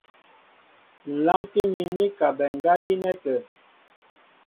Ŋ̀ lánkí mín i kabɛ ŋgá gínɛ́ tə̂.